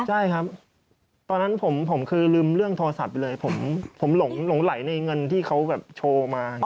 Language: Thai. ใช่ครับตอนนั้นผมคือลืมเรื่องโทรศัพท์ไปเลยผมหลงไหลในเงินที่เขาแบบโชว์มา